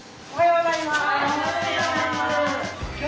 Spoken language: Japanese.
おはようございます。